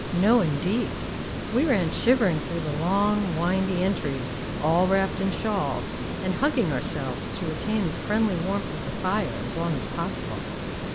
No, indeed! We ran shivering through the long, windy entries, all wrapped in shawls, and hugging ourselves to retain the friendly warmth of the fire as long as possible.